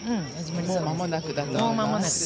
もうまもなくだと思います。